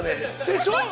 ◆でしょ！？